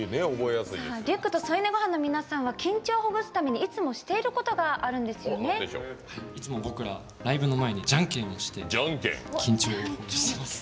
リュックと添い寝ごはんの皆さんは緊張をほぐすためにいつもしていることがいつも僕らライブの前にじゃんけんをして緊張をほぐしています。